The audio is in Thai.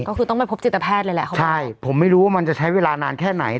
ก็คือต้องไปพบจิตแพทย์เลยแหละเขาบอกใช่ผมไม่รู้ว่ามันจะใช้เวลานานแค่ไหน